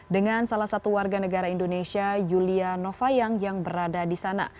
dengan salah satu warga negara indonesia yulia novayang yang berada di sana